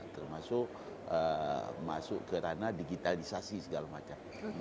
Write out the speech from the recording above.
termasuk masuk ke ranah digitalisasi segala macam